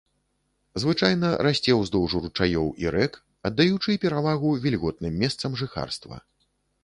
Звычайна расце ўздоўж ручаёў і рэк, аддаючы перавагу вільготным месцам жыхарства.